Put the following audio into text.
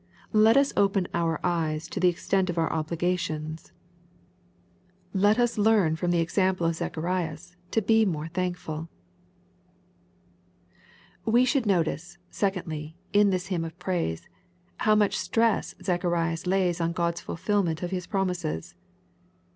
Let us open our eyes to the extent of our obligations. Let us learn from the example of Zacharias^ to be more thankful. We should notice, secondly, in this hymn of praise, how much stress Zacharias lays on GoitsfvlJUmefd of His promises.